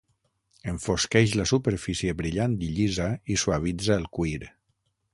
Enfosqueix la superfície brillant i llisa i suavitza el cuir.